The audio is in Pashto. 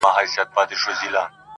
چي نور ساده راته هر څه ووايه,